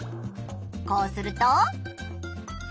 こうすると。